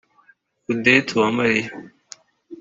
Odette Uwamariya